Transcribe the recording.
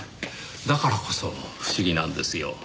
だからこそ不思議なんですよ。